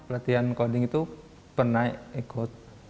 latihan coding itu pernah ikut